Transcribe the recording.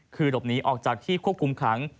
คือหลบหนีออกจากที่ควบคุมขัง